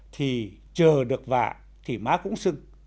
thì chờ được vạ thì má cũng sưng